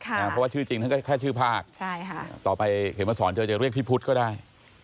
เพราะว่าชื่อจริงท่านก็แค่ชื่อภาคต่อไปเขมสอนเธอจะเรียกพี่พุทธก็ได้